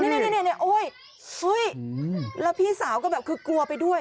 เว้ยหนูมาเร็ว